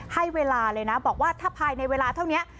ให้เวลาเลยนะบอกว่าถ้าภายในเวลาเท่านี้